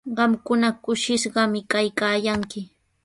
Qamkuna kushishqami kaykaayanki.